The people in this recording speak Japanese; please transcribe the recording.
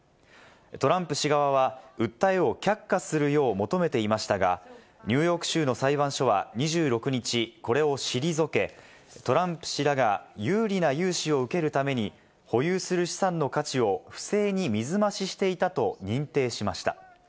トランプ氏側は訴えを却下するよう求めていましたが、ニューヨーク州の裁判所は２６日、これを退け、トランプ氏らが有利な融資を受けるために保有する資産の価値を不正に水増ししていたと認定しました。